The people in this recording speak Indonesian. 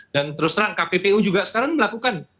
dan terus terang kppu juga sekarang melakukan